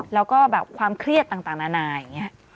แล้วก็แบบความเครียดต่างนานาอย่างนี้